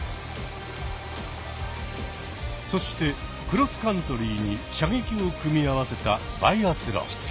そしてクロスカントリーに射撃を組み合わせたバイアスロン。